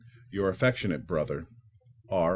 Your affectionate brother, R.